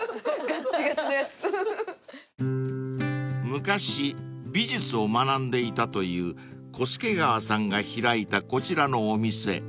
［昔美術を学んでいたという小助川さんが開いたこちらのお店］